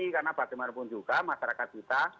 karena bagaimanapun juga masyarakat kita